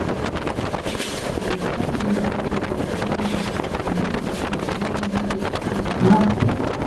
na mchango mkubwa kwa vijana Nakumbuka kuna mechi moja ya Simba na